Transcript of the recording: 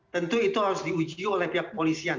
tentu itu harus diuji oleh pihak kepolisian